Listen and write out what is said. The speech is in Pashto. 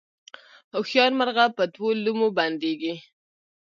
هوښیار مرغه په دوو لومو بندیږي